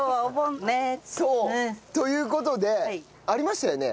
そう！という事でありましたよね？